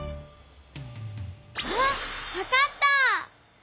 あっわかった！